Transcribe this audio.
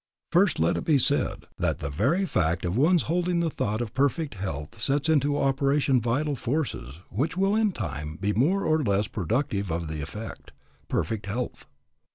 First let it be said, that the very fact of one's holding the thought of perfect health sets into operation vital forces which will in time be more or less productive of the effect, perfect health.